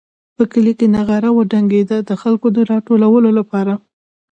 په کلي کې نغاره وډنګېده د خلکو د راټولولو لپاره.